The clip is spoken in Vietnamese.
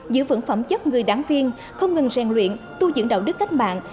giữ vững phẩm chất người đảng viên không ngừng rèn luyện tu dưỡng đạo đức cách mạng